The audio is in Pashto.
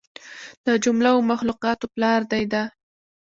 د جمله و مخلوقاتو پلار دى دا.